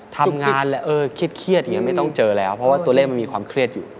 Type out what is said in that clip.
ทำงานแล้วเออเครียดอย่างนี้ไม่ต้องเจอแล้วเพราะว่าตัวเลขมันมีความเครียดอยู่